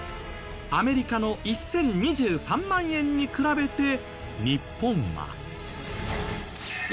アメリカの１０２３万円に比べて日本は。